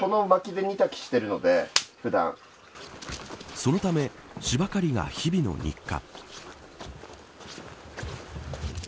そのためしば刈りが日々の日課。